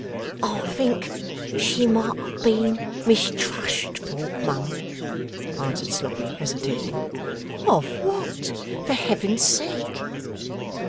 'I think she might have been mistrustful, mum,' answered Sloppy, hesitating. 'Of what, for Heaven's sake?